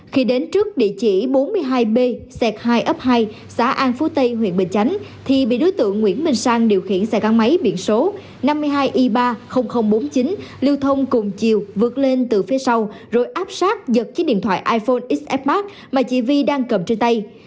khi đến trước địa chỉ bốn mươi hai b hai f hai xã an phú tây huyện bình chánh thì bị đối tượng nguyễn minh sang điều khiển xe con máy biển số năm mươi hai i ba bốn mươi chín lưu thông cùng chiều vượt lên từ phía sau rồi áp sát giật chiếc điện thoại iphone xf tám mà chị vy đang cầm trên tay